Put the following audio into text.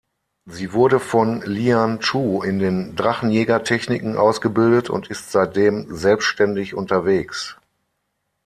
Sie wurde von Lian Chu in den Drachenjäger-Techniken ausgebildet und ist seitdem selbstständig unterwegs.